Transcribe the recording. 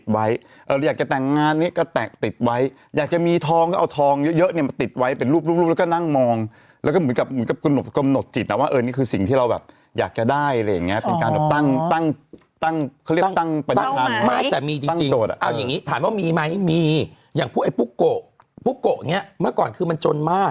ไม่เข้าขายจะต้องรมทศิลป์แล้วพูดไปเดี๋ยวเขามาแจ้งความเรา